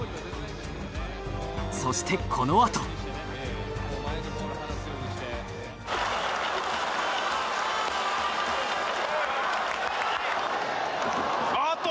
そしてこのあと。あーっと！